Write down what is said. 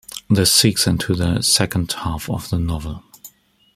This segues into the second half of the novel.